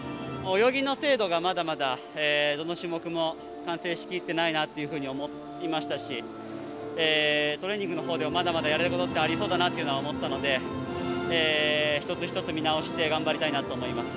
泳ぎの精度が、まだまだどの種目も完成しきってないなっていうふうに思いましたしトレーニングのほうでもまだまだやれることってありそうだなっていうのは思ったので、一つ一つ見直して頑張りたいなと思います。